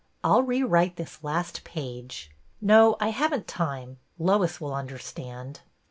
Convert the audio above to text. I 'll rewrite this last page. No, I haven't time. Lois will understand."